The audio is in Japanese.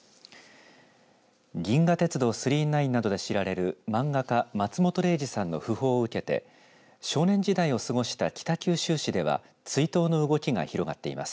銀河鉄道９９９などで知られる漫画家、松本零士さんの訃報を受けて少年時代を過ごした北九州市では追悼の動きが広がっています。